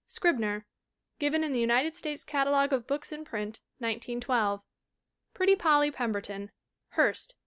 Scribner. Given in the United States Catalogue of Books in Print (1912). Pretty Polly Pemberton. Hurst.